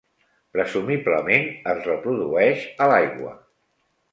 Presumiblement es reprodueix a l'aigua.